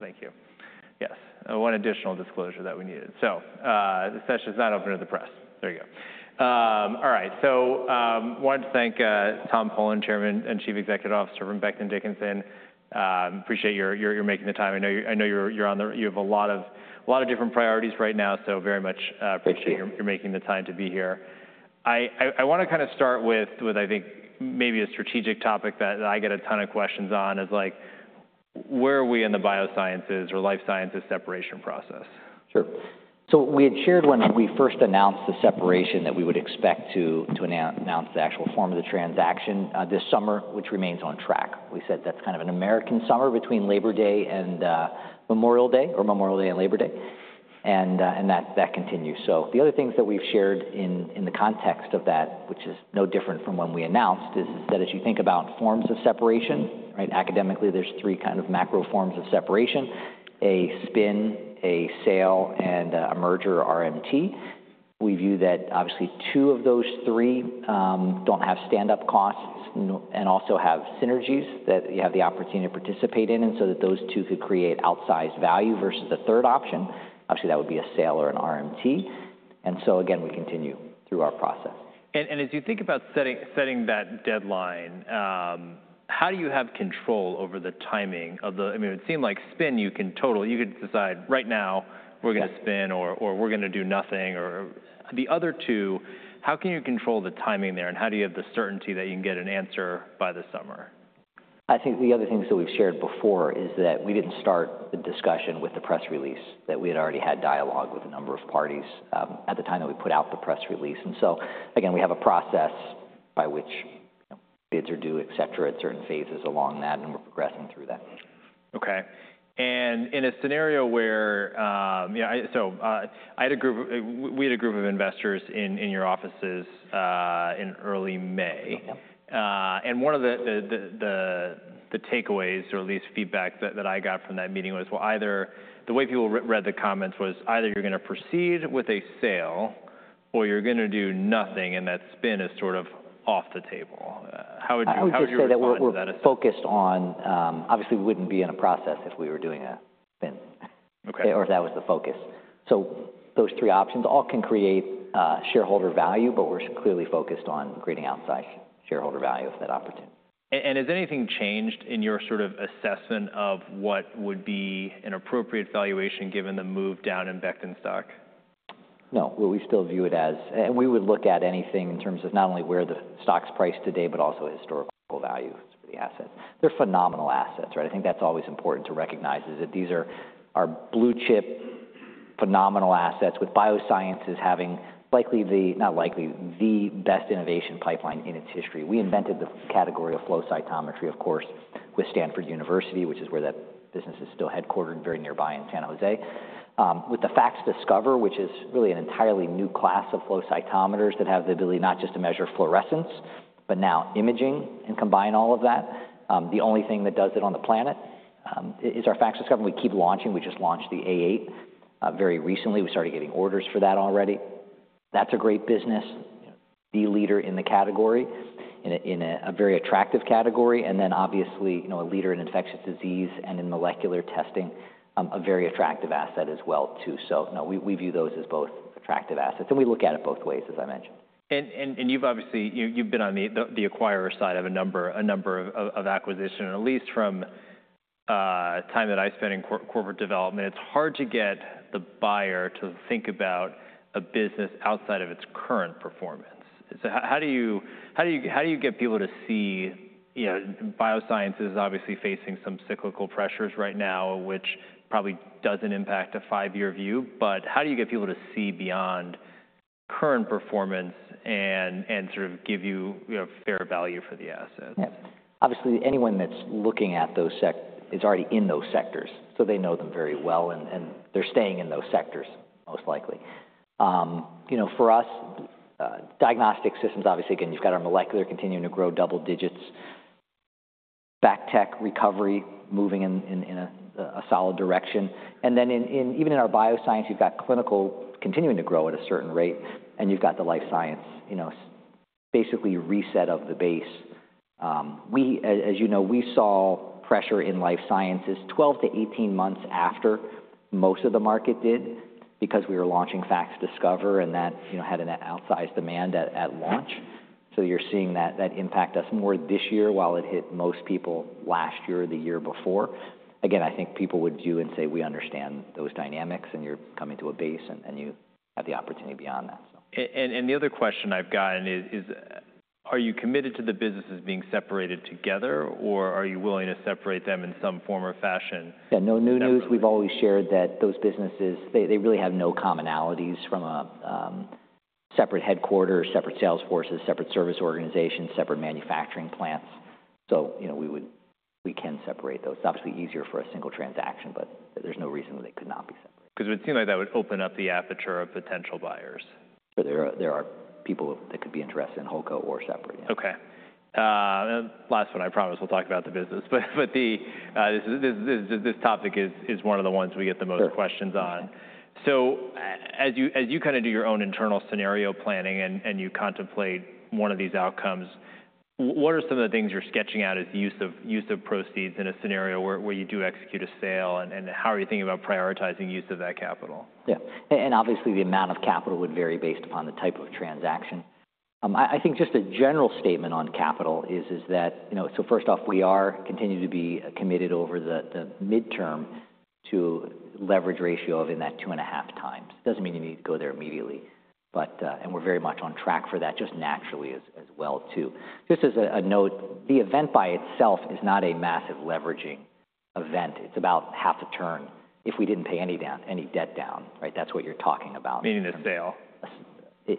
Thank you. Yes. One additional disclosure that we needed. This session is not open to the press. There you go. All right. Wanted to thank Tom Polen, Chairman and Chief Executive Officer from Becton Dickinson. Appreciate your making the time. I know you're on the, you have a lot of different priorities right now, so very much appreciate your making the time to be here. I want to kind of start with, I think maybe a strategic topic that I get a ton of questions on is like, where are we in the biosciences or life sciences separation process? Sure. We had shared when we first announced the separation that we would expect to announce the actual form of the transaction this summer, which remains on track. We said that's kind of an American summer between Memorial Day and Labor Day, and that continues. The other things that we've shared in the context of that, which is no different from when we announced, is that as you think about forms of separation, academically, there are three kind of macro forms of separation: a spin, a sale, and a merger RMT. We view that obviously two of those three do not have standup costs and also have synergies that you have the opportunity to participate in, and those two could create outsized value versus the third option. Obviously, that would be a sale or an RMT. We continue through our process. As you think about setting that deadline, how do you have control over the timing of the, I mean, it seemed like spin you can total, you could decide right now we're gonna spin or we're gonna do nothing or the other two, how can you control the timing there and how do you have the certainty that you can get an answer by the summer? I think the other things that we've shared before is that we didn't start the discussion with the press release, that we had already had dialogue with a number of parties at the time that we put out the press release. We have a process by which bids are due, et cetera, at certain phases along that, and we're progressing through that. Okay. In a scenario where, you know, I, I had a group, we had a group of investors in your offices in early May. Yep. And one of the takeaways, or at least feedback that I got from that meeting was, either the way people re-read the comments was either you're gonna proceed with a sale or you're gonna do nothing and that spin is sort of off the table. How would you, how would you report that as a? I would say that we're focused on, obviously we wouldn't be in a process if we were doing a spin. Okay. Or if that was the focus. Those three options all can create shareholder value, but we're clearly focused on creating outside shareholder value if that opportunity. Has anything changed in your sort of assessment of what would be an appropriate valuation given the move down in Becton stock? No. We still view it as, and we would look at anything in terms of not only where the stock's priced today, but also historical value for the assets. They're phenomenal assets, right? I think that's always important to recognize is that these are our blue chip phenomenal assets with biosciences having likely the, not likely the best innovation pipeline in its history. We invented the category of flow cytometry, of course, with Stanford University, which is where that business is still headquartered very nearby in San Jose. With the FACSDiscover, which is really an entirely new class of flow cytometers that have the ability not just to measure fluorescence, but now imaging and combine all of that. The only thing that does it on the planet is our FACSDiscover. We keep launching. We just launched the A8 very recently. We started getting orders for that already. That's a great business, you know, the leader in the category, in a, in a very attractive category. Obviously, you know, a leader in infectious disease and in molecular testing, a very attractive asset as well too. No, we view those as both attractive assets and we look at it both ways, as I mentioned. You've obviously, you've been on the acquirer side of a number of acquisition, at least from time that I spent in corporate development. It's hard to get the buyer to think about a business outside of its current performance. How do you get people to see, you know, biosciences is obviously facing some cyclical pressures right now, which probably doesn't impact a five-year view, but how do you get people to see beyond current performance and sort of give you, you know, fair value for the assets? Yeah. Obviously, anyone that's looking at those sec is already in those sectors, so they know them very well and they're staying in those sectors most likely. You know, for us, diagnostic systems, obviously, again, you've got our molecular continuing to grow double digits, bactec recovery moving in a solid direction. And then even in our bioscience, you've got clinical continuing to grow at a certain rate, and you've got the life science, you know, basically reset of the base. We, as you know, we saw pressure in life sciences 12 to 18 months after most of the market did because we were launching FACS Discover and that had an outsized demand at launch. You're seeing that impact us more this year while it hit most people last year or the year before. Again, I think people would view and say, we understand those dynamics and you're coming to a base, and you have the opportunity beyond that, so. The other question I've gotten is, are you committed to the businesses being separated together or are you willing to separate them in some form or fashion? Yeah. No new news. We've always shared that those businesses, they really have no commonalities from a separate headquarters, separate sales forces, separate service organizations, separate manufacturing plants. You know, we can separate those. It's obviously easier for a single transaction, but there's no reason that they could not be separated. 'Cause it would seem like that would open up the aperture of potential buyers. Sure. There are people that could be interested in holdco or separate. Yeah. Okay. Last one, I promise we'll talk about the business, but this topic is one of the ones we get the most questions on. Sure. As you kind of do your own internal scenario planning and you contemplate one of these outcomes, what are some of the things you're sketching out as use of proceeds in a scenario where you do execute a sale, and how are you thinking about prioritizing use of that capital? Yeah. Obviously the amount of capital would vary based upon the type of transaction. I think just a general statement on capital is that, you know, first off, we continue to be committed over the midterm to a leverage ratio of in that two and a half times. It does not mean you need to go there immediately, but we are very much on track for that just naturally as well too. Just as a note, the event by itself is not a massive leveraging event. It is about half a turn if we did not pay any debt down, right? That is what you are talking about. Meaning a sale?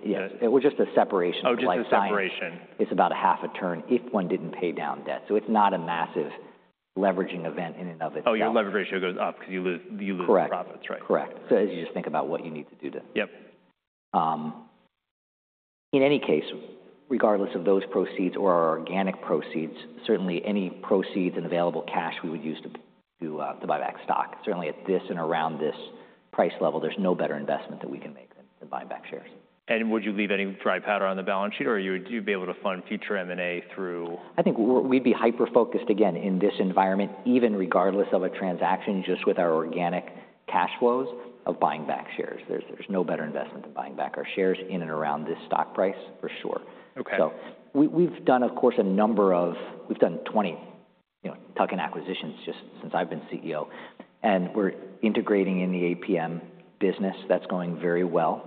Yes. It was just a separation. Oh, just a separation. It's about half a turn if one didn't pay down debt. It is not a massive leveraging event in and of itself. Oh, your leverage ratio goes up 'cause you lose, you lose profits, right? Correct. So as you just think about what you need to do to. Yep. In any case, regardless of those proceeds or our organic proceeds, certainly any proceeds and available cash we would use to buy back stock. Certainly at this and around this price level, there's no better investment that we can make than buying back shares. Would you leave any dry powder on the balance sheet or you would, you'd be able to fund future M&A through? I think we'd be hyper-focused again in this environment, even regardless of a transaction, just with our organic cash flows of buying back shares. There's no better investment than buying back our shares in and around this stock price for sure. Okay. We have done, of course, a number of, we have done 20, you know, tuck-in acquisitions just since I have been CEO, and we are integrating in the APM business. That is going very well.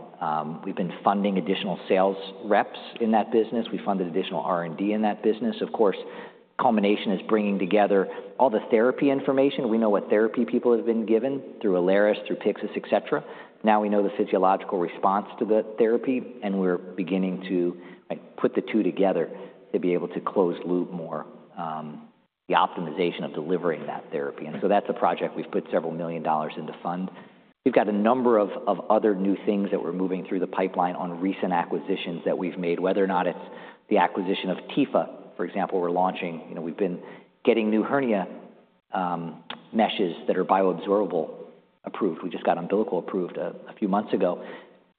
We have been funding additional sales reps in that business. We funded additional R&D in that business. Of course, culmination is bringing together all the therapy information. We know what therapy people have been given through Alaris, through Pyxis, et cetera. Now we know the physiological response to the therapy, and we are beginning to, like, put the two together to be able to close loop more, the optimization of delivering that therapy. That is a project we have put several million dollars into fund. We've got a number of other new things that we're moving through the pipeline on recent acquisitions that we've made, whether or not it's the acquisition of Tepha, for example, we're launching, you know, we've been getting new hernia meshes that are bioabsorbable approved. We just got umbilical approved a few months ago.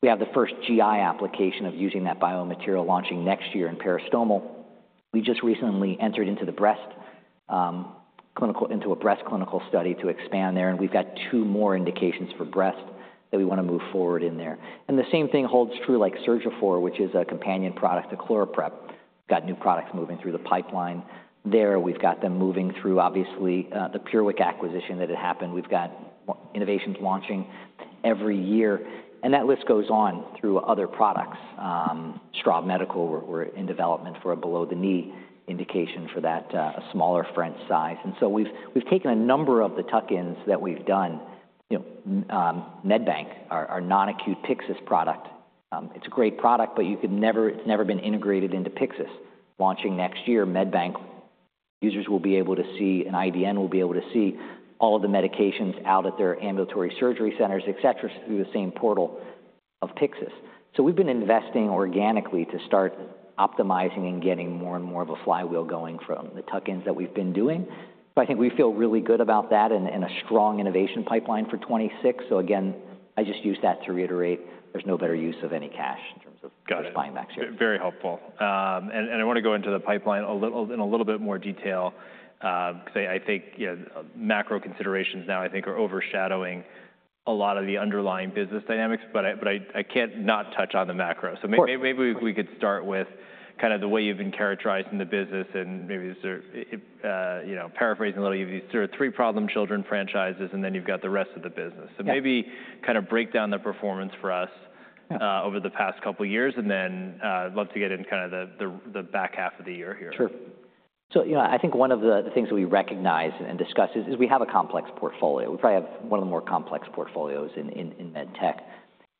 We have the first GI application of using that biomaterial launching next year in peristomal. We just recently entered into the breast clinical, into a breast clinical study to expand there, and we've got two more indications for breast that we wanna move forward in there. The same thing holds true like Surgiphor, which is a companion product to ChloraPrep. We've got new products moving through the pipeline there. We've got them moving through, obviously, the PureWick acquisition that had happened. We've got more innovations launching every year, and that list goes on through other products. Straub Medical, we're in development for a below the knee indication for that, a smaller French size. And we've taken a number of the tuck-ins that we've done, you know, MedBank, our non-acute Pyxis product. It's a great product, but you could never, it's never been integrated into Pyxis. Launching next year, MedBank users will be able to see, and IVN will be able to see all of the medications out at their ambulatory surgery centers, et cetera, through the same portal of Pyxis. We've been investing organically to start optimizing and getting more and more of a flywheel going from the tuck-ins that we've been doing. I think we feel really good about that and a strong innovation pipeline for 2026. Again, I just use that to reiterate there's no better use of any cash in terms of. Got it. Just buying back shares. Very helpful. I wanna go into the pipeline a little, in a little bit more detail, 'cause I think, you know, macro considerations now I think are overshadowing a lot of the underlying business dynamics, but I can't not touch on the macro. Maybe we could start with kind of the way you've been characterizing the business and maybe sort of, you know, paraphrasing a little, you have these sort of three problem children franchises, and then you've got the rest of the business. Maybe kind of break down the performance for us over the past couple of years, and then love to get in kind of the back half of the year here. Sure. You know, I think one of the things that we recognize and discuss is we have a complex portfolio. We probably have one of the more complex portfolios in MedTech,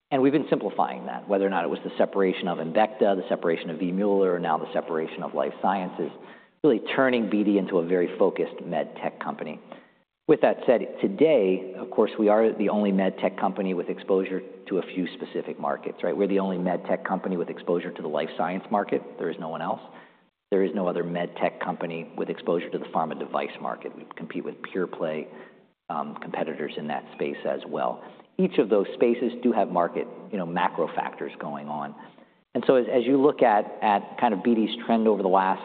and we've been simplifying that, whether or not it was the separation of Invetech, the separation of V. Mueller, now the separation of Life Sciences, really turning BD into a very focused MedTech company. With that said, today, of course, we are the only MedTech company with exposure to a few specific markets, right? We're the only MedTech company with exposure to the Life Sciences market. There is no one else. There is no other MedTech company with exposure to the pharma device market. We compete with pure play competitors in that space as well. Each of those spaces do have market, you know, macro factors going on. As you look at kind of BD's trend over the last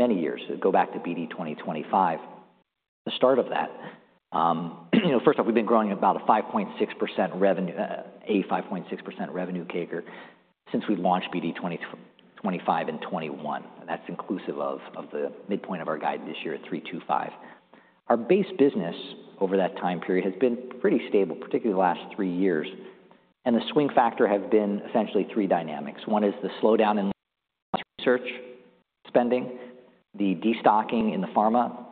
many years, go back to BD 2025, the start of that, you know, first off, we've been growing about a 5.6% revenue CAGR since we launched BD 2025 in 2021, and that's inclusive of the midpoint of our guide this year at 3.25%. Our base business over that time period has been pretty stable, particularly the last three years, and the swing factor has been essentially three dynamics. One is the slowdown in research spending, the destocking in the pharma,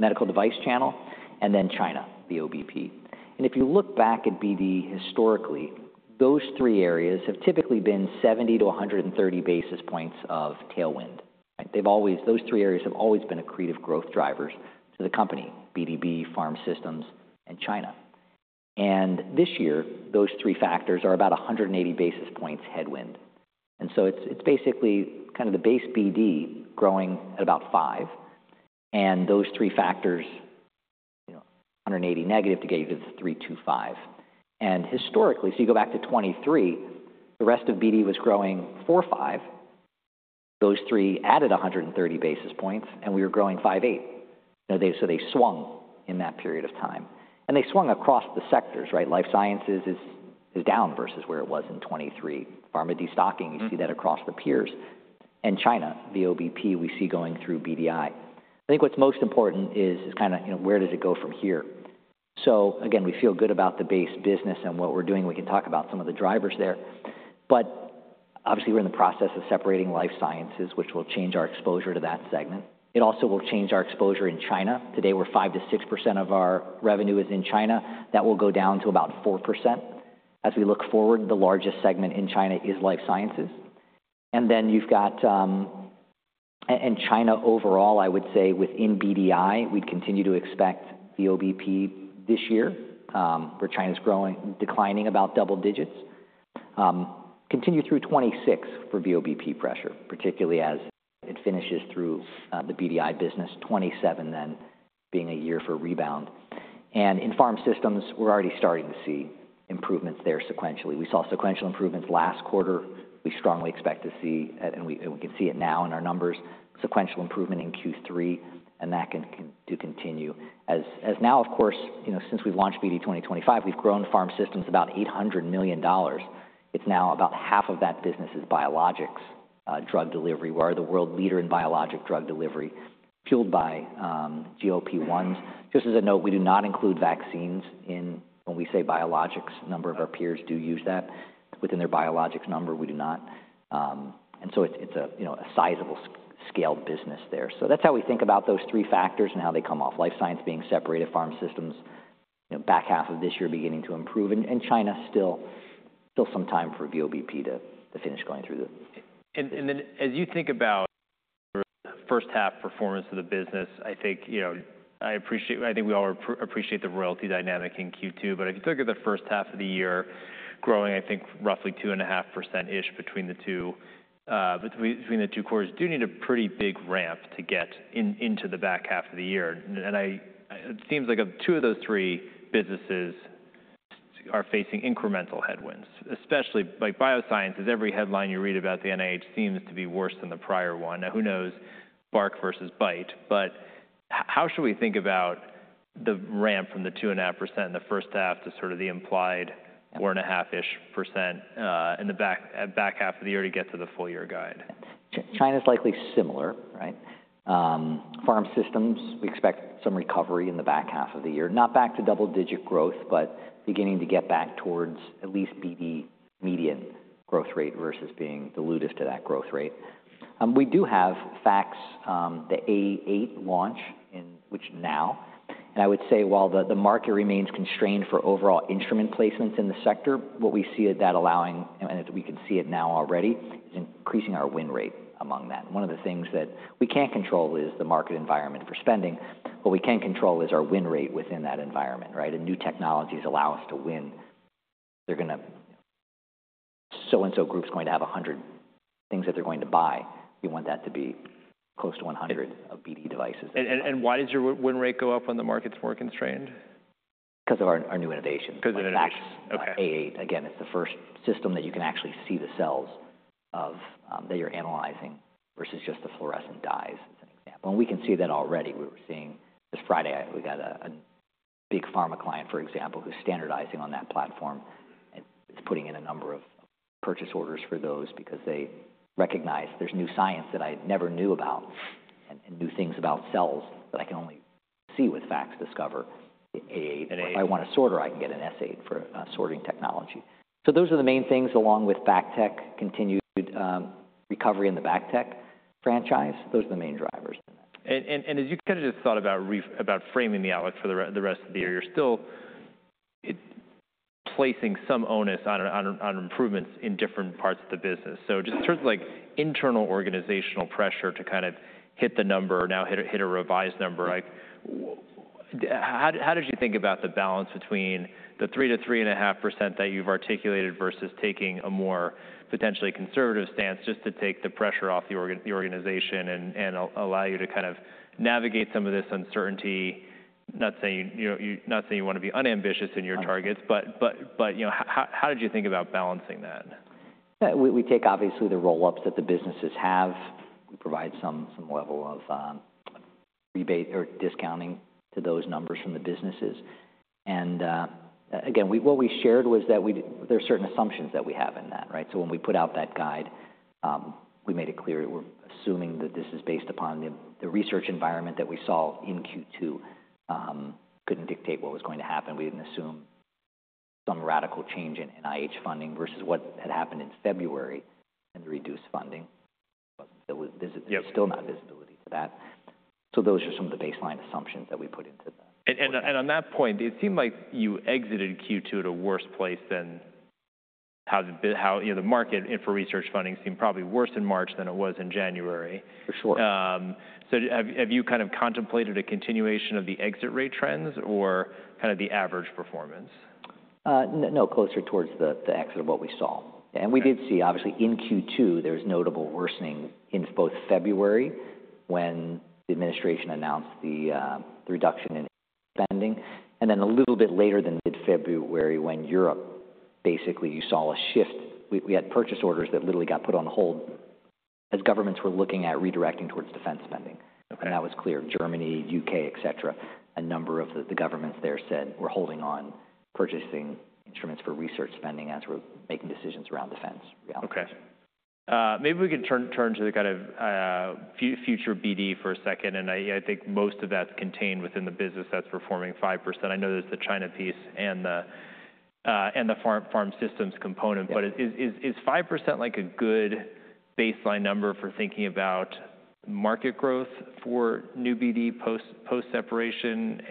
medical device channel, and then China, the VOBP. If you look back at BD historically, those three areas have typically been 70-130 basis points of tailwind, right? Those three areas have always been accretive growth drivers to the company, BDB, Pharma Systems, and China. This year, those three factors are about 180 basis points headwind. It is basically kind of the base BD growing at about 5, and those three factors, you know, 180 negative to get you to the 3.25. Historically, if you go back to 2023, the rest of BD was growing 4.5. Those three added 130 basis points, and we were growing 5.8. They swung in that period of time, and they swung across the sectors, right? Life sciences is down versus where it was in 2023. Pharma destocking, you see that across the peers. In China, the VOBP, we see going through BD. I think what is most important is kind of, you know, where does it go from here? Again, we feel good about the base business and what we are doing. We can talk about some of the drivers there, but obviously we're in the process of separating Life Sciences, which will change our exposure to that segment. It also will change our exposure in China. Today, 5%-6% of our revenue is in China. That will go down to about 4%. As we look forward, the largest segment in China is Life Sciences. And then you've got, and China overall, I would say within BD Interventional, we'd continue to expect the VOBP this year, where China's growing, declining about double digits, continue through 2026 for the VOBP pressure, particularly as it finishes through the BD Interventional business, 2027 then being a year for rebound. In Pharma Systems, we're already starting to see improvements there sequentially. We saw sequential improvements last quarter. We strongly expect to see it, and we can see it now in our numbers, sequential improvement in Q3, and that can continue as, as now, of course, you know, since we've launched BD 2025, we've grown pharma systems about $800 million. It's now about half of that business is biologics, drug delivery. We are the world leader in biologic drug delivery fueled by GLP-1s. Just as a note, we do not include vaccines in when we say biologics, number of our peers do use that within their biologics number. We do not, and so it's a, you know, a sizable scale business there. That's how we think about those three factors and how they come off life science being separated, pharma systems, you know, back half of this year beginning to improve. And China, still some time for VOBP to finish going through the. As you think about the first half performance of the business, I think, you know, I appreciate, I think we all appreciate the royalty dynamic in Q2, but if you look at the first half of the year growing, I think roughly 2.5% ish between the two, between the two quarters, you do need a pretty big ramp to get into the back half of the year. It seems like two of those three businesses are facing incremental headwinds, especially like biosciences. Every headline you read about the NIH seems to be worse than the prior one. Now, who knows? Bark versus bite. How should we think about the ramp from the 2.5% in the first half to sort of the implied 4.5%-ish percent in the back half of the year to get to the full year guide? China's likely similar, right? Pharma systems, we expect some recovery in the back half of the year, not back to double-digit growth, but beginning to get back towards at least BD median growth rate versus being the lowest to that growth rate. We do have FACS, the A8 launch in which now, and I would say while the market remains constrained for overall instrument placements in the sector, what we see at that allowing, and we can see it now already, is increasing our win rate among that. One of the things that we can't control is the market environment for spending, but what we can control is our win rate within that environment, right? And new technologies allow us to win. They're gonna, so and so group's going to have a hundred things that they're going to buy. We want that to be close to 100% of BD devices. Why does your win rate go up when the market's more constrained? Because of our new innovations. Because of innovations. Okay. A8. Again, it's the first system that you can actually see the cells of, that you're analyzing versus just the fluorescent dyes as an example. We can see that already. We were seeing this Friday, we got a big pharma client, for example, who's standardizing on that platform and is putting in a number of purchase orders for those because they recognize there's new science that I never knew about and new things about cells that I can only see with FACS Discover. A8, if I wanna sort or I can get an S8 for sorting technology. Those are the main things along with BACTEC, continued recovery in the BACTEC franchise. Those are the main drivers in that. As you kind of just thought about framing the outlook for the rest of the year, you're still placing some onus on improvements in different parts of the business. Just in terms of internal organizational pressure to kind of hit the number, now hit a revised number, how did you think about the balance between the 3%-3.5% that you've articulated versus taking a more potentially conservative stance just to take the pressure off the organization and allow you to kind of navigate some of this uncertainty? Not saying you, you know, you want to be unambitious in your targets, but, you know, how did you think about balancing that? We take obviously the rollups that the businesses have. We provide some level of rebate or discounting to those numbers from the businesses. Again, what we shared was that we, there's certain assumptions that we have in that, right? When we put out that guide, we made it clear that we're assuming that this is based upon the research environment that we saw in Q2, couldn't dictate what was going to happen. We didn't assume some radical change in NIH funding versus what had happened in February and the reduced funding. There wasn't still, there's still not visibility to that. Those are some of the baseline assumptions that we put into the. On that point, it seemed like you exited Q2 at a worse place than how the, how, you know, the market infra research funding seemed probably worse in March than it was in January. For sure. Have you kind of contemplated a continuation of the exit rate trends or kind of the average performance? No, closer towards the exit of what we saw. We did see, obviously in Q2, there was notable worsening in both February when the administration announced the reduction in spending, and then a little bit later than mid-February when Europe basically you saw a shift. We had purchase orders that literally got put on hold as governments were looking at redirecting towards defense spending. That was clear. Germany, U.K., et cetera. A number of the governments there said, we're holding on purchasing instruments for research spending as we're making decisions around defense reality. Okay. Maybe we can turn to the kind of future BD for a second. I think most of that's contained within the business that's performing 5%. I know there's the China piece and the pharma systems component, but is 5% like a good baseline number for thinking about market growth for new BD post-separation?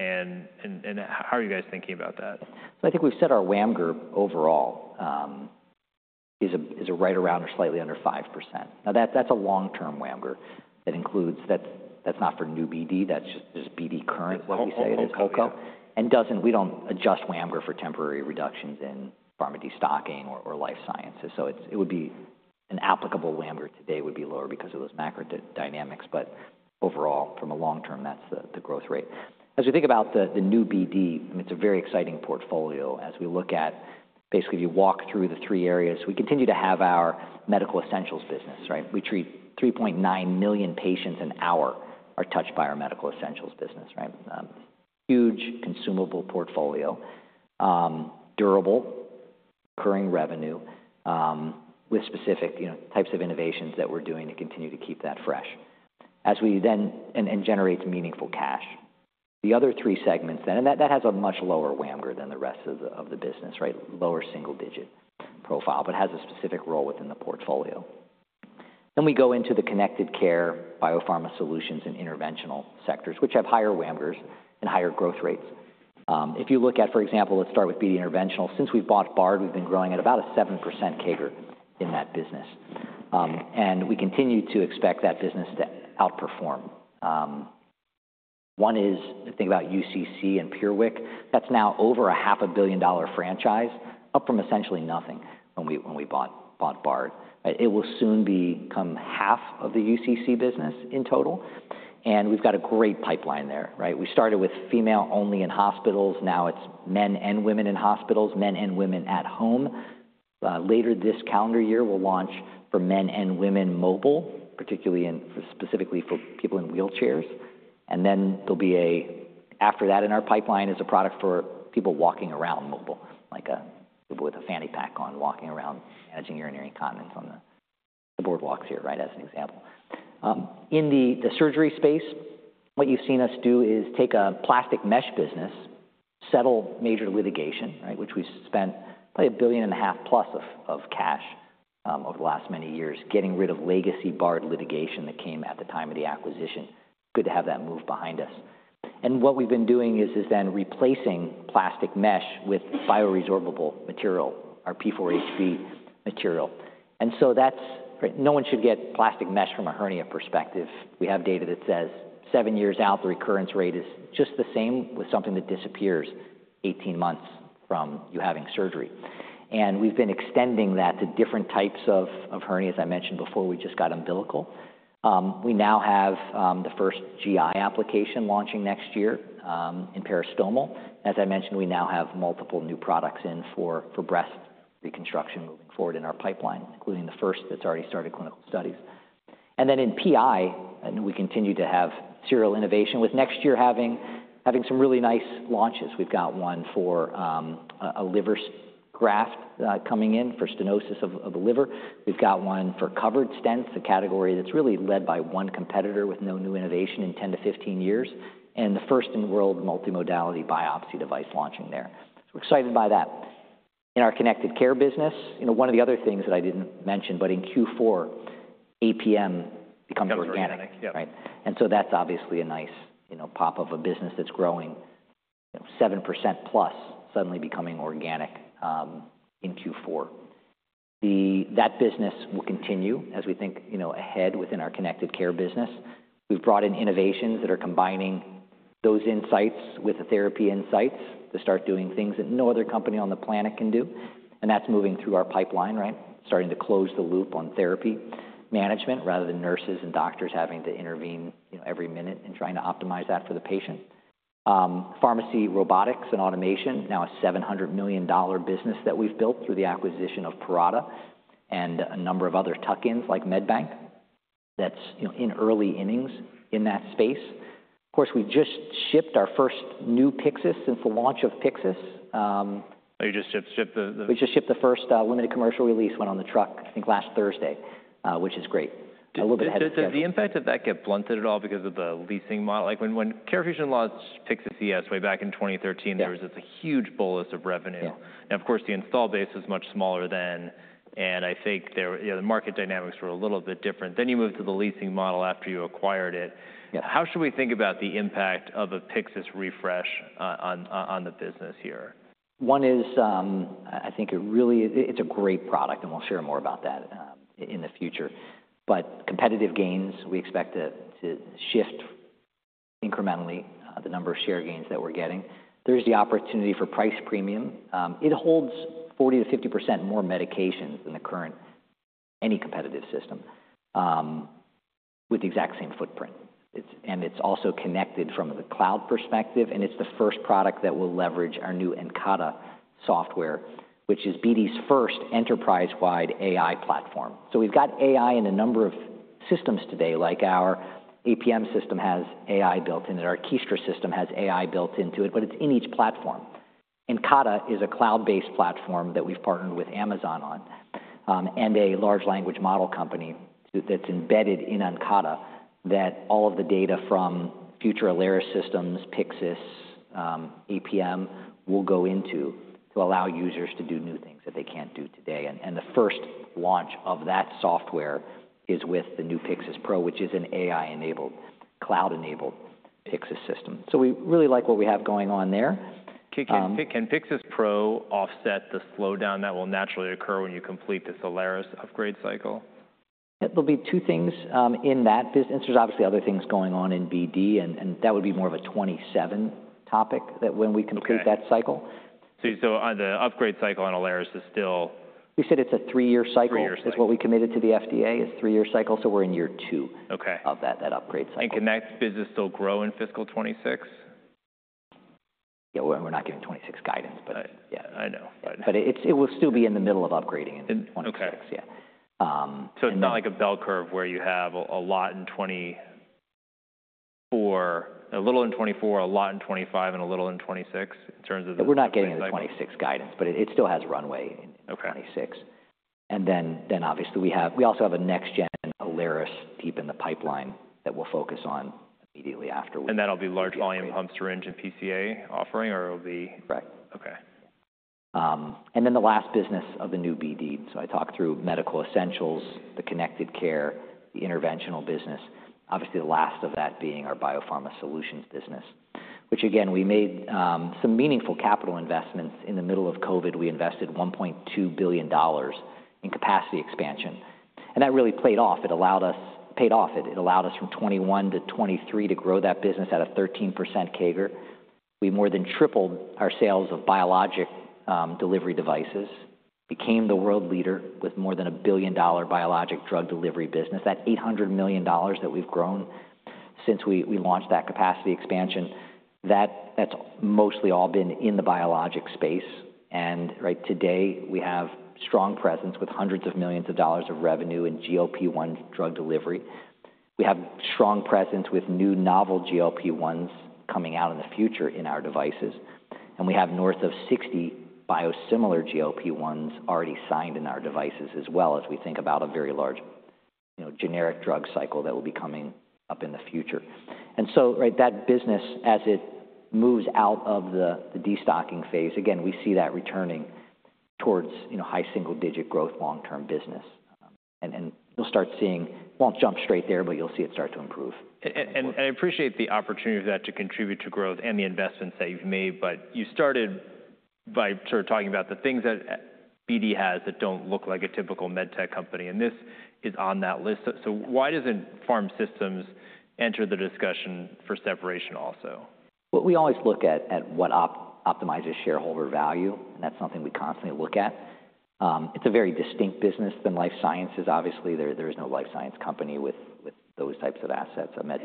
How are you guys thinking about that? I think we've said our WAMGRG overall is right around or slightly under 5%. Now, that's a long-term WAMGRG that includes, that's not for new BD. That's just BD current, what we say it is, COCO. We don't adjust WAMGRG for temporary reductions in pharma destocking or life sciences. It would be an applicable WAMGRG today would be lower because of those macro dynamics. Overall, from a long term, that's the growth rate. As we think about the new BD, I mean, it's a very exciting portfolio as we look at basically if you walk through the three areas, we continue to have our medical essentials business, right? We treat 3.9 million patients an hour are touched by our medical essentials business, right? Huge consumable portfolio, durable, recurring revenue, with specific, you know, types of innovations that we're doing to continue to keep that fresh as we then generate meaningful cash. The other three segments then, and that has a much lower WAMGR than the rest of the business, right? Lower single digit profile, but has a specific role within the portfolio. Then we go into the connected care, biopharma solutions, and interventional sectors, which have higher WAMGRs and higher growth rates. If you look at, for example, let's start with BD Interventional. Since we've bought Bard, we've been growing at about a 7% CAGR in that business, and we continue to expect that business to outperform. One is to think about UCC and PureWick. That's now over a $500million franchise, up from essentially nothing when we bought Bard, right? It will soon become half of the UCC business in total. We have got a great pipeline there, right? We started with female only in hospitals. Now it is men and women in hospitals, men and women at home. Later this calendar year, we will launch for men and women mobile, particularly in, specifically for people in wheelchairs. After that, in our pipeline is a product for people walking around mobile, like people with a fanny pack on walking around, managing urinary incontinence on the boardwalks here, right? As an example. In the surgery space, what you have seen us do is take a plastic mesh business, settle major litigation, right? Which we spent probably $1.5 billion plus of cash over the last many years getting rid of legacy Bard litigation that came at the time of the acquisition. Good to have that move behind us. What we've been doing is replacing plastic mesh with bioresorbable material, our P4HB material. That is, right? No one should get plastic mesh from a hernia perspective. We have data that says seven years out, the recurrence rate is just the same with something that disappears 18 months from you having surgery. We've been extending that to different types of hernias. I mentioned before, we just got umbilical. We now have the first GI application launching next year, in peristomal. As I mentioned, we now have multiple new products in for breast reconstruction moving forward in our pipeline, including the first that's already started clinical studies. In PI, we continue to have serial innovation with next year having some really nice launches. We've got one for a liver graft coming in for stenosis of the liver. We've got one for covered stents, a category that's really led by one competitor with no new innovation in 10-15 years, and the first in the world multimodality biopsy device launching there. We are excited by that. In our connected care business, you know, one of the other things that I didn't mention, but in Q4, APM becomes organic, right? That's obviously a nice, you know, pop of a business that's growing, you know, 7% plus suddenly becoming organic in Q4. That business will continue as we think, you know, ahead within our connected care business. We've brought in innovations that are combining those insights with the therapy insights to start doing things that no other company on the planet can do. That's moving through our pipeline, right? Starting to close the loop on therapy management rather than nurses and doctors having to intervene, you know, every minute and trying to optimize that for the patient. Pharmacy robotics and automation, now a $700 million business that we've built through the acquisition of Parata and a number of other tuck-ins like MedBank, that's, you know, in early innings in that space. Of course, we just shipped our first new Pyxis since the launch of Pyxis. You just shipped the. We just shipped the first, limited commercial release went on the truck, I think last Thursday, which is great. A little bit ahead of time. Did the impact of that get blunted at all because of the leasing model? Like when CareFusion launched Pyxis ES way back in 2013, there was a huge bolus of revenue. Now, of course, the install base was much smaller then, and I think there, you know, the market dynamics were a little bit different. You moved to the leasing model after you acquired it. How should we think about the impact of a Pyxis refresh on the business here? One is, I think it really, it's a great product and we'll share more about that in the future. Competitive gains, we expect to shift incrementally, the number of share gains that we're getting. There's the opportunity for price premium. It holds 40-50% more medications than the current any competitive system, with the exact same footprint. It's also connected from the cloud perspective, and it's the first product that will leverage our new Incada software, which is BD's first enterprise-wide AI platform. We've got AI in a number of systems today, like our APM system has AI built in it. Our Kestra system has AI built into it, but it's in each platform. Incada is a cloud-based platform that we've partnered with Amazon on, and a large language model company that's embedded in Incada that all of the data from future Alaris systems, Pyxis, APM will go into to allow users to do new things that they can't do today. The first launch of that software is with the new Pyxis Pro, which is an AI-enabled, cloud-enabled Pyxis system. We really like what we have going on there. Can Pyxis Pro offset the slowdown that will naturally occur when you complete this Alaris upgrade cycle? There'll be two things in that business. There's obviously other things going on in BD, and that would be more of a 27 topic that when we complete that cycle. So on the upgrade cycle on Alaris is still. We said it's a three-year cycle. Three-year cycle. Is what we committed to the FDA is three-year cycle. So we're in year two of that, that upgrade cycle. Can that business still grow in fiscal 2026? Yeah. We're not giving 2026 guidance, but yeah. I know. It will still be in the middle of upgrading in 2026. Yeah. It's not like a bell curve where you have a lot in 2024, a little in 2024, a lot in 2025, and a little in 2026 in terms of the. We're not getting into 2026 guidance, but it still has runway in 2026. Then obviously we also have a next-gen Alaris deep in the pipeline that we'll focus on immediately after. That'll be large volume pump syringe PCA offering or it'll be. Correct. Okay. And then the last business of the new BD, so I talk through medical essentials, the connected care, the interventional business, obviously the last of that being our biopharma solutions business, which again, we made some meaningful capital investments in the middle of COVID. We invested $1.2 billion in capacity expansion, and that really paid off. It allowed us from 2021 to 2023 to grow that business at a 13% CAGR. We more than tripled our sales of biologic delivery devices, became the world leader with more than a $1 billion biologic drug delivery business. That $800 million that we've grown since we launched that capacity expansion, that's mostly all been in the biologic space. And right today we have strong presence with hundreds of millions of dollars of revenue in GLP-1 drug delivery. We have strong presence with new novel GLP-1s coming out in the future in our devices. And we have north of 60 biosimilar GLP-1s already signed in our devices as well as we think about a very large, you know, generic drug cycle that will be coming up in the future. And so, right, that business as it moves out of the destocking phase, again, we see that returning towards, you know, high single digit growth long-term business. And, and you'll start seeing, won't jump straight there, but you'll see it start to improve. I appreciate the opportunity for that to contribute to growth and the investments that you've made, but you started by sort of talking about the things that BD has that don't look like a typical MedTech company. This is on that list. Why doesn't pharma systems enter the discussion for separation also? We always look at what optimizes shareholder value, and that's something we constantly look at. It's a very distinct business than life sciences. Obviously, there is no life science company with those types of assets, a med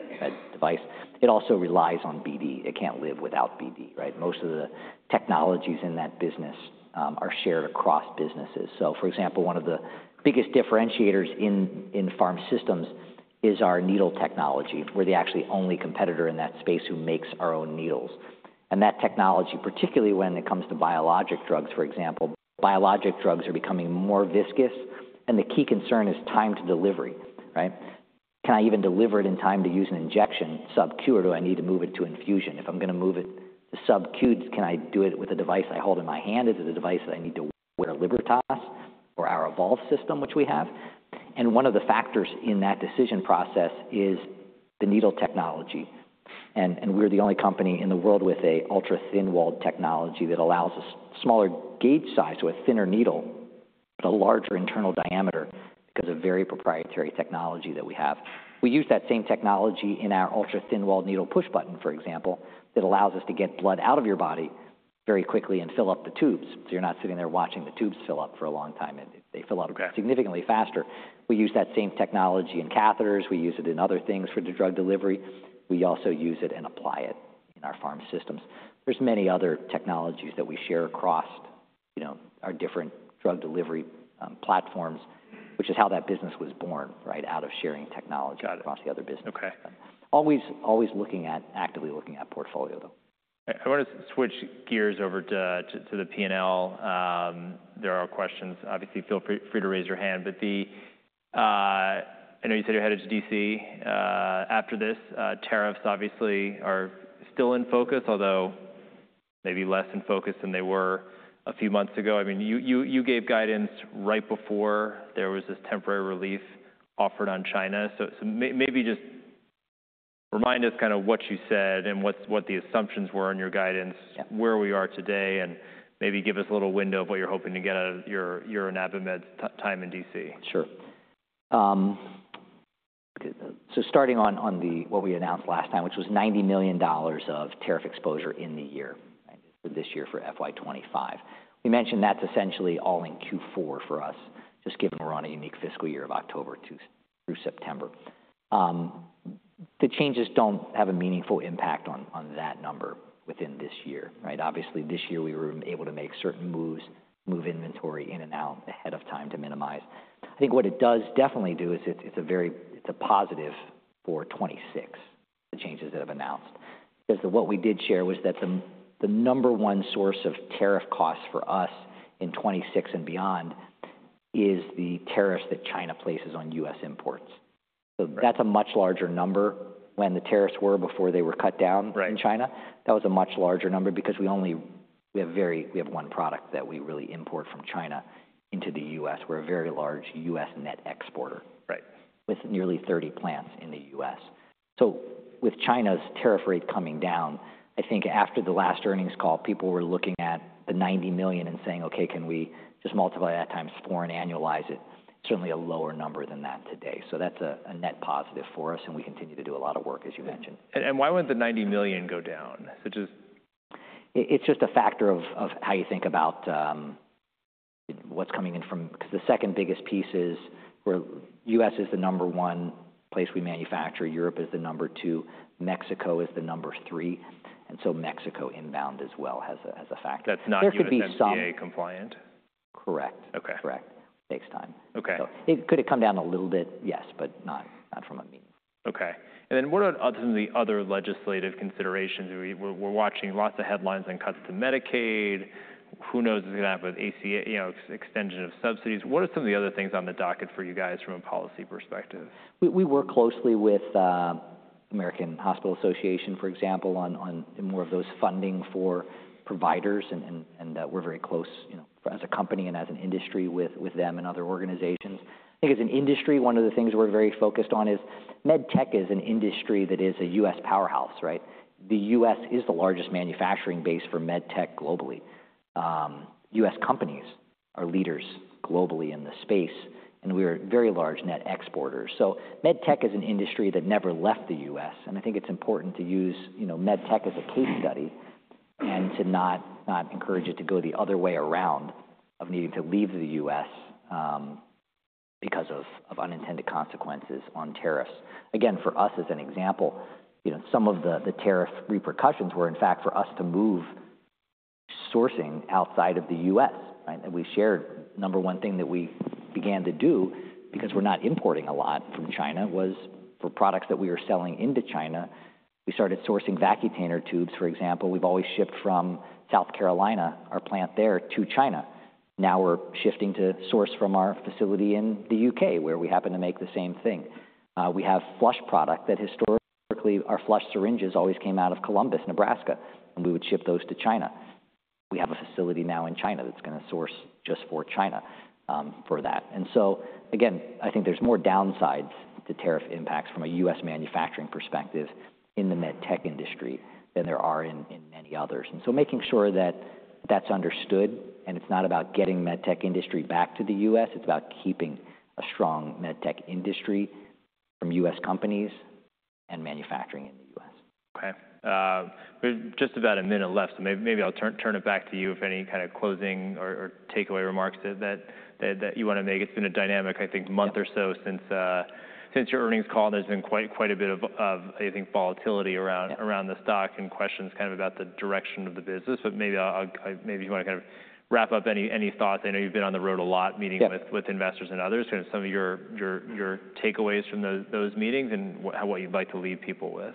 device. It also relies on BD. It can't live without BD, right? Most of the technologies in that business are shared across businesses. For example, one of the biggest differentiators in pharma systems is our needle technology. We're actually the only competitor in that space who makes our own needles. That technology, particularly when it comes to biologic drugs, for example, biologic drugs are becoming more viscous, and the key concern is time to delivery, right? Can I even deliver it in time to use an injection sub-Q or do I need to move it to infusion? If I'm gonna move it to sub-Q, can I do it with a device I hold in my hand? Is it a device that I need to wear, a Libertas or our Evolve system, which we have? One of the factors in that decision process is the needle technology. We're the only company in the world with an ultra thin walled technology that allows a smaller gauge size with a thinner needle, but a larger internal diameter because of very proprietary technology that we have. We use that same technology in our ultra thin walled needle push button, for example, that allows us to get blood out of your body very quickly and fill up the tubes. You're not sitting there watching the tubes fill up for a long time. They fill up significantly faster. We use that same technology in catheters. We use it in other things for the drug delivery. We also use it and apply it in our pharma systems. There's many other technologies that we share across, you know, our different drug delivery platforms, which is how that business was born, right? Out of sharing technology across the other business. Got it. Okay. Always, always looking at, actively looking at portfolio though. I wanna switch gears over to the P&L. There are questions. Obviously, feel free to raise your hand. I know you said your head is DC. After this, tariffs obviously are still in focus, although maybe less in focus than they were a few months ago. I mean, you gave guidance right before there was this temporary relief offered on China. Maybe just remind us kind of what you said and what the assumptions were in your guidance, where we are today, and maybe give us a little window of what you're hoping to get out of your and ABA meds time in DC. Sure. Starting on what we announced last time, which was $90 million of tariff exposure in the year, right? This year for FY2025. We mentioned that's essentially all in Q4 for us, just given we're on a unique fiscal year of October through September. The changes don't have a meaningful impact on that number within this year, right? Obviously, this year we were able to make certain moves, move inventory in and out ahead of time to minimize. I think what it does definitely do is it's a very, it's a positive for 2026, the changes that have announced. Because what we did share was that the number one source of tariff costs for us in 2026 and beyond is the tariffs that China places on U.S. imports. That's a much larger number when the tariffs were before they were cut down in China. That was a much larger number because we only, we have very, we have one product that we really import from China into the U.S. We're a very large U.S. net exporter. Right. With nearly 30 plants in the U.S. With China's tariff rate coming down, I think after the last earnings call, people were looking at the $90 million and saying, okay, can we just multiply that times four and annualize it? Certainly a lower number than that today. That is a net positive for us. We continue to do a lot of work, as you mentioned. And why wouldn't the $90 million go down? So just. It, it's just a factor of how you think about what's coming in from, 'cause the second biggest piece is where U.S. is the number one place we manufacture, Europe is the number two, Mexico is the number three. And so Mexico inbound as well as a factor. That's not FDA compliant. Correct. Okay. Correct. FaceTime. Okay. It could have come down a little bit, yes, but not, not from a meeting. Okay. What are some of the other legislative considerations? We're watching lots of headlines and cuts to Medicaid. Who knows what's gonna happen with ACA, you know, extension of subsidies? What are some of the other things on the docket for you guys from a policy perspective? We work closely with the American Hospital Association, for example, on more of those funding for providers. We are very close, you know, as a company and as an industry with them and other organizations. I think as an industry, one of the things we're very focused on is MedTech is an industry that is a U.S. powerhouse, right? The U.S. is the largest manufacturing base for MedTech globally. U.S. companies are leaders globally in the space, and we are very large net exporters. MedTech is an industry that never left the U.S. I think it's important to use, you know, MedTech as a case study and to not encourage it to go the other way around of needing to leave the U.S. because of unintended consequences on tariffs. Again, for us as an example, you know, some of the tariff repercussions were in fact for us to move sourcing outside of the U.S., right? We shared number one thing that we began to do because we're not importing a lot from China was for products that we were selling into China. We started sourcing vacuum tubes, for example. We've always shipped from South Carolina, our plant there to China. Now we're shifting to source from our facility in the U.K. where we happen to make the same thing. We have flush product that historically our flush syringes always came out of Columbus, Nebraska, and we would ship those to China. We have a facility now in China that's gonna source just for China, for that. Again, I think there's more downsides to tariff impacts from a U.S.. Manufacturing perspective in the MedTech industry than there are in, in many others. Making sure that that's understood and it's not about getting MedTech industry back to the U.S., it's about keeping a strong MedTech industry from U.S. companies and manufacturing in the U.S.. Okay. We're just about a minute left, so maybe I'll turn it back to you if any kind of closing or takeaway remarks that you wanna make. It's been a dynamic, I think, month or so since your earnings call. There's been quite a bit of, I think, volatility around the stock and questions kind of about the direction of the business. Maybe you wanna kind of wrap up any thoughts. I know you've been on the road a lot meeting with investors and others, kind of some of your takeaways from those meetings and what you'd like to leave people with.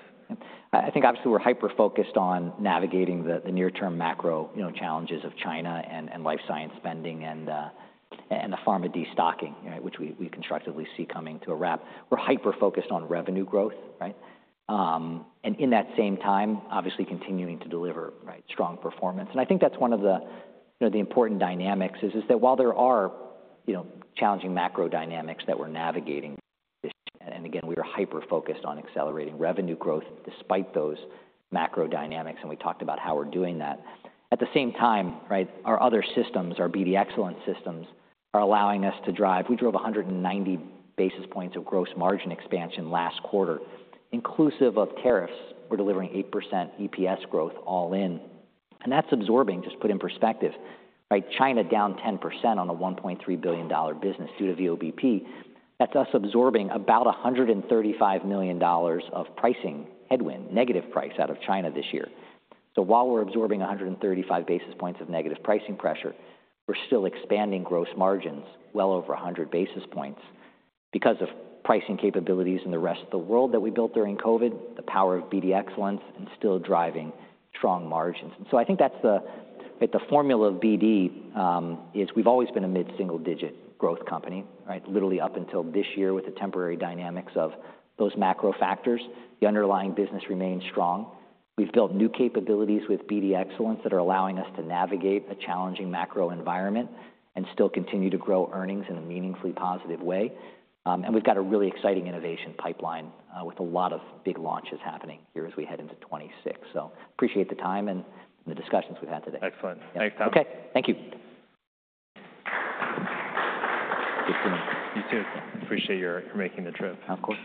I think obviously we're hyper-focused on navigating the near-term macro, you know, challenges of China and life science spending and the pharma destocking, right? Which we constructively see coming to a wrap. We're hyper-focused on revenue growth, right? In that same time, obviously continuing to deliver, right, strong performance. I think that's one of the, you know, the important dynamics is that while there are, you know, challenging macro dynamics that we're navigating, and again, we are hyper-focused on accelerating revenue growth despite those macro dynamics. We talked about how we're doing that. At the same time, our other systems, our BD Excellence systems are allowing us to drive. We drove 190 basis points of gross margin expansion last quarter. Inclusive of tariffs, we're delivering 8% EPS growth all in. That's absorbing, just put in perspective, right? China down 10% on a $1.3 billion business due to VOBP. That is us absorbing about $135 million of pricing headwind, negative price out of China this year. While we are absorbing 135 basis points of negative pricing pressure, we are still expanding gross margins well over 100 basis points because of pricing capabilities in the rest of the world that we built during COVID, the power of BD Excellence, and still driving strong margins. I think that is the, right, the formula of BD, is we have always been a mid-single digit growth company, right? Literally up until this year with the temporary dynamics of those macro factors, the underlying business remains strong. We have built new capabilities with BD Excellence that are allowing us to navigate a challenging macro environment and still continue to grow earnings in a meaningfully positive way. We have got a really exciting innovation pipeline, with a lot of big launches happening here as we head into 2026. I appreciate the time and the discussions we have had today. Excellent. Thanks, Tom. Okay. Thank you. You too. Appreciate your making the trip. Of course.